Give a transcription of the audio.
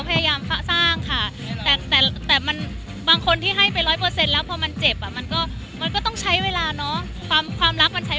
หลังจากนี้เราก็ได้ได้ความมั่นใจความเว้นใจ